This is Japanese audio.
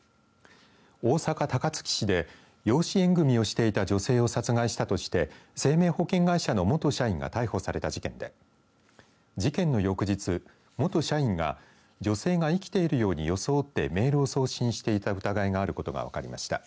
大阪、高槻市で養子縁組みをしていた女性を殺害したとして、生命保険会社の元社員が逮捕された事件で事件の翌日、元社員が女性が生きているように装ってメールを送信していた疑いがあることが分かりました。